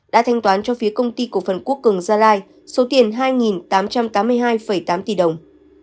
đã thanh toán cho phía công ty cổ phần quốc cường gia lai số tiền hai tám trăm tám mươi hai tám tỷ đồng